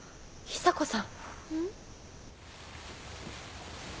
・久子さん！